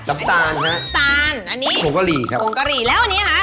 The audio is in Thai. จัปตาลครับนี่อ่ะคนกะหรี่ครับโชว์กะหรี่แล้วอันนี้อะฮะคือ